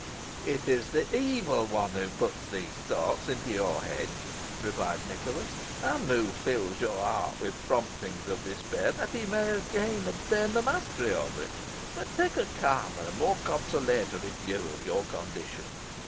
"It is the Evil One who puts these thoughts into your head," replied Nicholas, "and who fills your heart with promptings of despair, that he may again obtain the mastery over it. But take a calmer and more consolatory view of your condition.